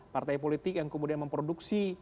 partai politik yang kemudian memproduksi